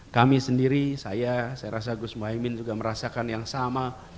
kami sendiri saya saya rasa gus mohaimin juga merasakan yang sama